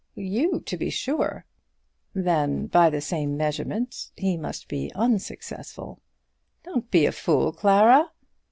"You, to be sure." "Then by the same measurement he must be unsuccessful." "Don't be a fool, Clara."